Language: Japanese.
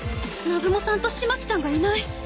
南雲さんと風巻さんがいない。